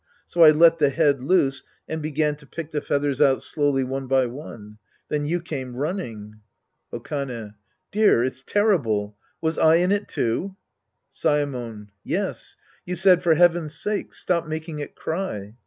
So I let the head loose and began to pick the feathers out slowly one by one. Then you came running. Okane. Dear, it's terrible. Was I in it, too ? Saemon. Yes. You said, " For heaven's sake, stop making it cry."